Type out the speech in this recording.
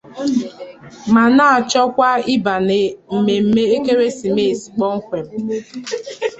ma na-achọkwa ịbà na mmemme ekeresimeesi koọmkwem.